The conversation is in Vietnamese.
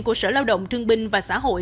của sở lao động thương binh và xã hội